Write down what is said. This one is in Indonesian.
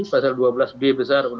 pasal dua belas b besar